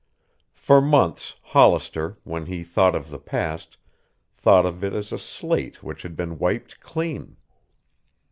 For months Hollister, when he thought of the past, thought of it as a slate which had been wiped clean.